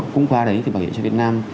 cũng qua đấy thì bảo hiểm xã hội việt nam